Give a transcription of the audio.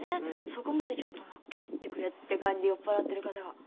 「そこまでちょっと乗っけていってくれ」っていう感じで酔っ払ってる方が。